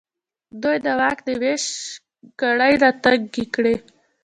دوی د واک د وېش کړۍ راتنګې کړې.